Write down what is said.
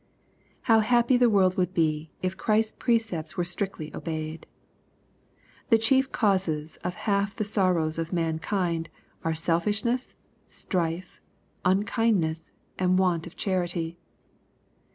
How happy the world would be, if Christ's precepts were strictly obeyed I The chief causes of half the sor rows of mankind, are selfishness, strife, unkindness, and want of charity.